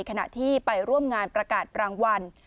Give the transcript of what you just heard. ขณะที่ไปร่วมงานประกาศรางวัล